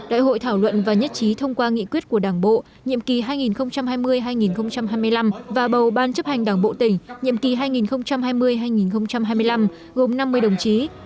đại hội thảo luận và nhất trí thông qua nghị quyết của đảng bộ nhiệm kỳ hai nghìn hai mươi hai nghìn hai mươi năm và bầu ban chấp hành đảng bộ tỉnh nhiệm kỳ hai nghìn hai mươi hai nghìn hai mươi năm gồm năm mươi đồng chí